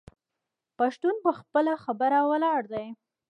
پښتون په خپله خبره ولاړ دی.